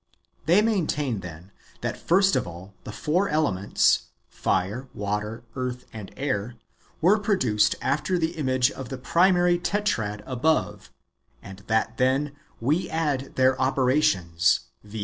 They maintain, then, that first of all the four elements, fire, water, earth, and air, were produced after the image of the primary Tetrad above, and that then, if we add their operations, viz.